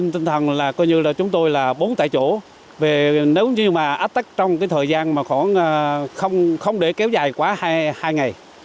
tinh thần là coi như là chúng tôi là bốn tại chỗ nếu như mà ách tắc trong cái thời gian mà không để kéo dài quá hai ngày